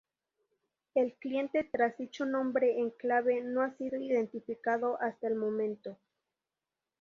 El cliente tras dicho nombre en clave no ha sido identificado hasta el momento.